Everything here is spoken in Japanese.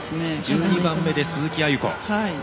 １２番目に鈴木亜由子。